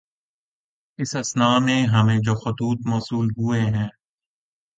اس اثنا میں ہمیں جو خطوط موصول ہوئے ہیں